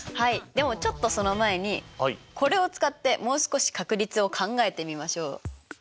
でもちょっとその前にこれを使ってもう少し確率を考えてみましょう。